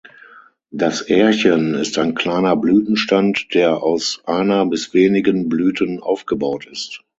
Das Ährchen ist ein kleiner Blütenstand, der aus einer bis wenigen Blüten aufgebaut ist.